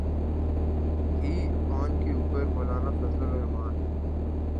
ہی، ان کے اوپر مولانا فضل الرحمن۔